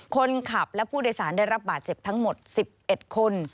คนขับและผู้โดยสารได้รับบาดเจ็บทั้งหมด๑๑คน